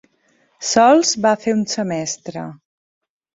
Sols va fer un semestre.